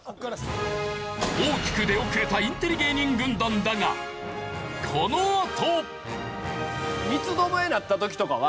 大きく出遅れたインテリ芸人軍団だがこのあと。